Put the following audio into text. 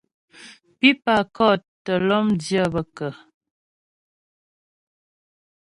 Pípà kɔ̂t tə́ lɔ́mdyə́ bə kə́ ?